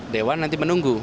dewan nanti menunggu